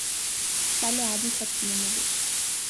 পারলে আজই সব কিনে নেব।